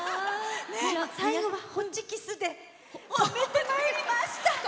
最後はホッチキスで留めてまいりました。